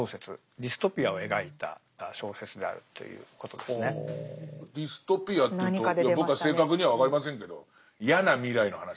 ディストピアというと僕は正確には分かりませんけど嫌な未来の話。